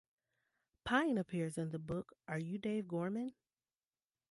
Pine appears in the book Are You Dave Gorman?